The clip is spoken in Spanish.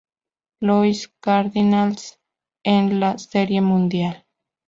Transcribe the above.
Louis Cardinals en la Serie Mundial.